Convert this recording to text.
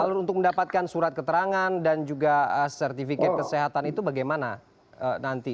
alur untuk mendapatkan surat keterangan dan juga sertifikat kesehatan itu bagaimana nanti